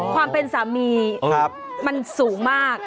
ความเป็นสามีมันสูงมาก